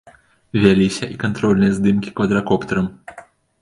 Вяліся і кантрольныя здымкі квадракоптэрам.